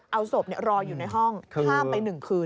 เอาศพรออยู่ในห้องข้ามไป๑คืน